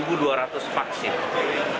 itu disebar di seluruh bapak